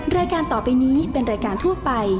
รายการต่อไปนี้เป็นรายการทั่วไป